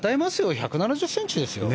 １７０ｃｍですよ。